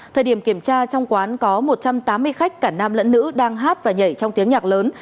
thời điểm kiểm tra trong quán có một trăm tám mươi khách cả nam lẫn nữ đang hát và nhảy trong tiếng nhạc lớn